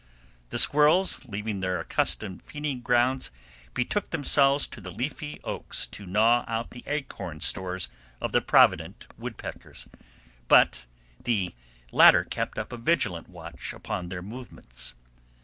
The squirrels, leaving their accustomed feeding grounds, betook themselves to the leafy oaks to gnaw out the acorn stores of the provident woodpeckers, but the latter kept up a vigilant watch upon their movements.